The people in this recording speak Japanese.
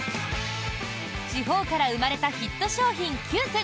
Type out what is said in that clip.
地方から生まれたヒット商品９選。